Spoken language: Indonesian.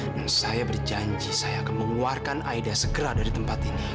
dan saya berjanji saya akan mengeluarkan aida segera dari tempat ini